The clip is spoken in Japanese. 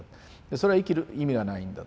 それは生きる意味がないんだ。